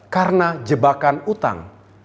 karena jebakan utang